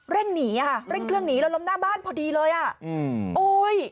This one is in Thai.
หนีอ่ะเร่งเครื่องหนีแล้วล้มหน้าบ้านพอดีเลยอ่ะอืมโอ้ย